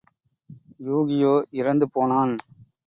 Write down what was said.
யூகியோ இறந்து போனான்.